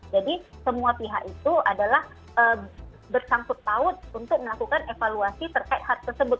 semua pihak itu adalah bersangkut paut untuk melakukan evaluasi terkait hal tersebut